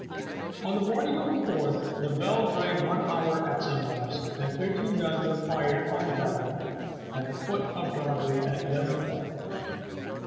"On the morning of the Fourth the bells rang one hour at sunrise, and thirteen guns were fired on the Battery, at the foot of Broadway, at eleven o'clock.